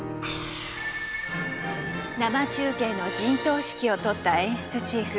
生中継の陣頭指揮を執った演出チーフ